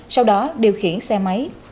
sau đó điều khiển xe máy